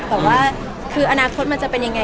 แต่ว่าอนาคตจะเป็นยังไง